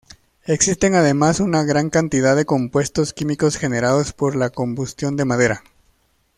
Existe además una gran cantidad de compuestos químicos generados por la combustión de madera.